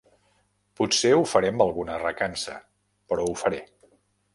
Potser ho faré amb alguna recança, però ho faré.